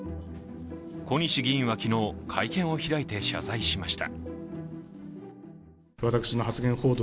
小西議員は昨日、会見を開いて謝罪しました。